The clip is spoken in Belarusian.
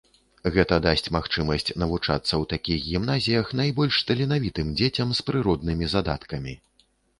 Гэта дасць магчымасць навучацца ў такіх гімназіях найбольш таленавітым дзецям з прыроднымі задаткамі.